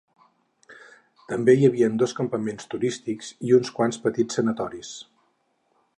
També hi havia dos campaments turístics i uns quants petits sanatoris.